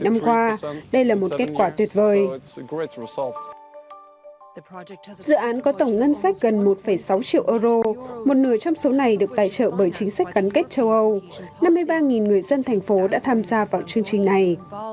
dự án có tổng ngân sách gần một sáu triệu euro một nửa trong số này được tài trợ bởi chính sách gắn kết châu âu năm mươi ba người dân thành phố đã tham gia vào chương trình này